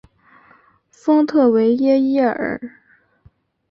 丰特维耶伊尔。